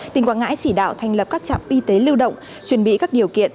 tỉnh quảng ngãi chỉ đạo thành lập các trạm y tế lưu động chuẩn bị các điều kiện